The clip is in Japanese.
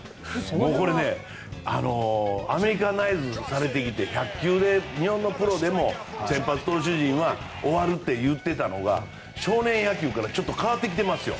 これねアメリカナイズされてきて１００球で、日本のプロでも先発投手陣は終わるって言ってたのが少年野球からちょっと変わってきています。